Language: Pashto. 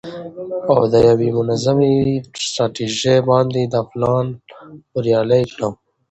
او د یوې منظمې ستراتیژۍ باندې دا پلان بریالی کړم.